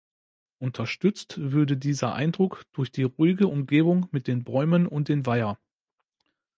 Unterstützt würde dieser Eindruck durch die ruhige Umgebung mit den Bäumen und den Weiher.